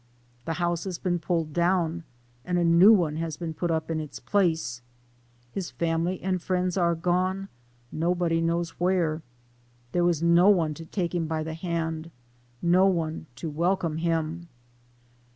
The house has been pulled down, and a new one has been put up in its place ; his family and friends are gone nobody knows where ; there is no one to take him by the hand, no one to welcome him.